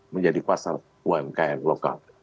menjadi pasar umkm lokal